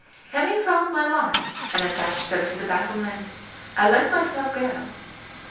Having found my lines and attached them to the battlement, I let myself go.